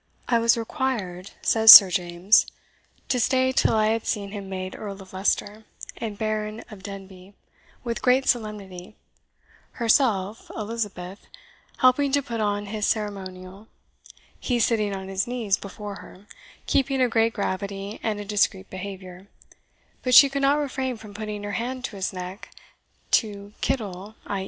"I was required," says Sir James, "to stay till I had seen him made Earle of Leicester, and Baron of Denbigh, with great solemnity; herself (Elizabeth) helping to put on his ceremonial, he sitting on his knees before her, keeping a great gravity and a discreet behaviour; but she could not refrain from putting her hand to his neck to kittle (i.